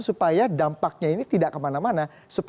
supaya dampaknya ini tidak kemana mana